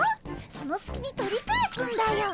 そのすきに取り返すんだよ！